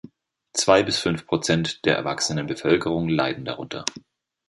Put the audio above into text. Zwei bis fünf Prozent der erwachsenen Bevölkerung leiden darunter.